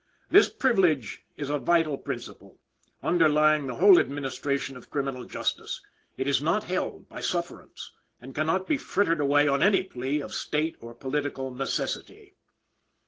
This privilege is a vital principle, underlying the whole administration of criminal justice; it is not held by sufferance, and cannot be frittered away on any plea of state or political necessity."